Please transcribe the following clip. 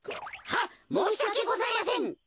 はっもうしわけございません。